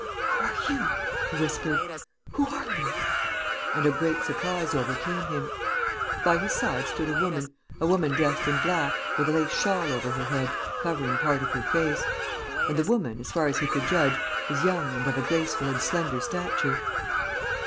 "Who are you?" he whispered. "Who are you?" And a great surprise over came him. By his side stood a woman, a woman dressed in black, with a lace shawl over her head, covering part of her face. And the woman, as far as he could judge, was young and of a graceful and slender stature.